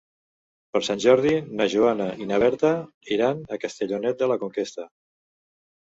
Per Sant Jordi na Joana i na Berta iran a Castellonet de la Conquesta.